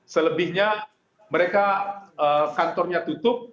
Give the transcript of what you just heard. selebihnya mereka kantornya tutup